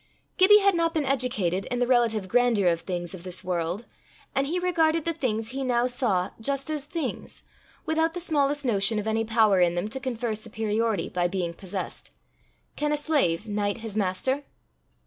Gibbie had not been educated in the relative grandeur of things of this world, and he regarded the things he now saw just as things, without the smallest notion of any power in them to confer superiority by being possessed: can a slave knight his master?